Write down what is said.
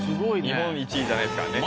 日本１位じゃないですからね。